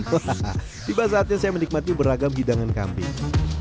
hahaha tiba saatnya saya menikmati beragam hidangan kambing